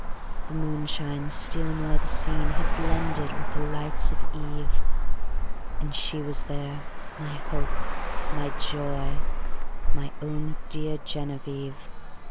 The moonshine stealing o'er the sceneHad blended with the lights of eve; And she was there, my hope, my joy, My own dear Genevieve!